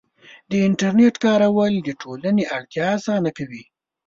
د انټرنیټ کارول د ټولنې ارتباط اسانه کوي.